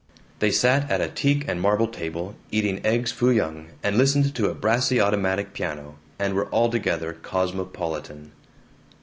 They sat at a teak and marble table eating Eggs Fooyung, and listened to a brassy automatic piano, and were altogether cosmopolitan.